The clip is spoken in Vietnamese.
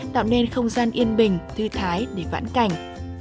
tạo nên không gian yên bình thư thái để vãn cảnh